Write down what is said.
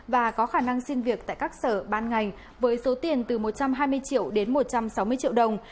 và có khả năng xin việc tại các sở ban ngành với số tiền từ một trăm hai mươi triệu đến một trăm sáu mươi triệu đồng